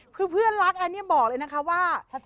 คือเพื่อนรักอันนี้บอกเลยนะคะว่า